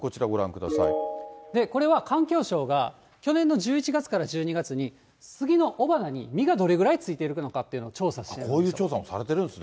これは環境省が、去年の１１月から１２月に、スギの雄花に実がどれぐらいついているのかっていう調査していまこういう調査もされているんですね。